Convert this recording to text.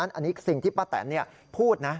อันนี้สิ่งที่ป้าแตนพูดนะ